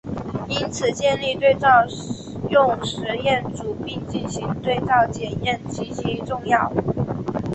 因此建立对照用实验组并进行对照检验极其重要。